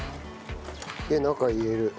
で中に入れる。